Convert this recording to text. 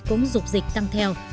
cũng rục dịch tăng theo